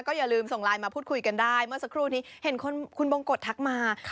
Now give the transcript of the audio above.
อย่าลืมส่งไลน์มาพูดคุยกันได้เมื่อสักครู่นี้เห็นคุณบงกฎทักมา